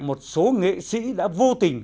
một số nghệ sĩ đã vô tình